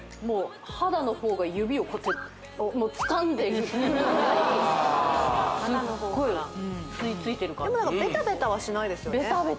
肌の方が指をこうやってもうつかんでるっていうぐらいすっごい吸いついてる感じでもベタベタはしないですよね